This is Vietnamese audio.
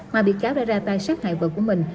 mà bị cáo đã ra tay sát hại vợ của mình